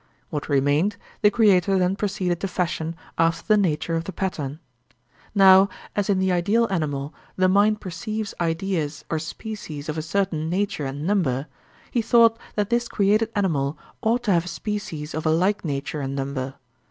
What remained, the creator then proceeded to fashion after the nature of the pattern. Now as in the ideal animal the mind perceives ideas or species of a certain nature and number, he thought that this created animal ought to have species of a like nature and number.